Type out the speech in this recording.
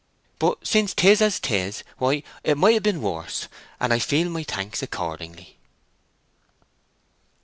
But since 'tis as 'tis, why, it might have been worse, and I feel my thanks accordingly."